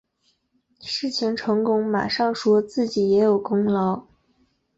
事情成功马上说自己也有功劳